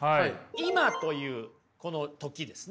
「今」というこの時ですね。